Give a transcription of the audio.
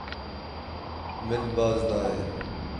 Min baz daye.